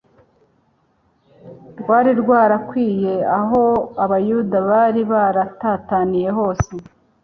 rwari rwarakwiriye aho abayuda bari baratataniye hose,